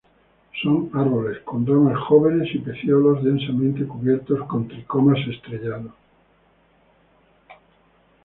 Son árboles, con ramas jóvenes y pecíolos densamente cubiertos con tricomas estrellados.